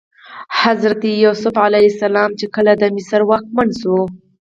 حضرت یوسف علیه السلام چې کله د مصر واکمن شو.